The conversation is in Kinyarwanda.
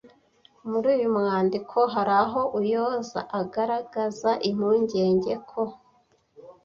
Muri uyu mwandiko hari aho uyooza agaragaza impungenge ko